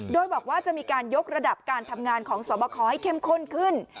โดยบอกว่าจะมีการยกระดับการทำงานของสอบคอให้เข้มข้นขึ้น